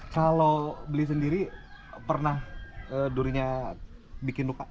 kalau beli sendiri pernah durinya bikin luka